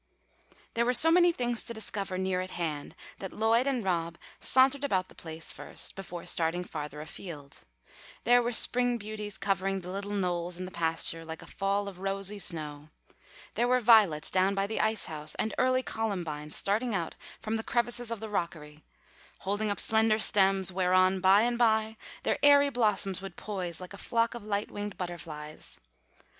There were so many things to discover near at hand that Lloyd and Rob sauntered about the place first, before starting farther afield. There were spring beauties covering the little knolls in the pasture, like a fall of rosy snow. There were violets down by the ice house, and early columbines starting out from the crevices of the rockery, holding up slender stems, whereon by and bye their airy blossoms would poise like a flock of light winged butterflies.